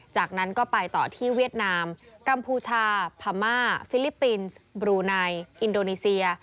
จากนั้นก็ไปต่อที่เวียดนามกัมพูชาพม่าฟิลิปปินส์บรูไนอินโดนีเซีย